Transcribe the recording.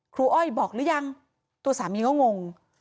อ้อยบอกหรือยังตัวสามีก็งง